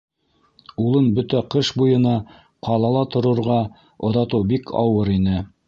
Улын бөтә ҡыш буйына ҡалала торорға оҙатыу бик ауыр ине.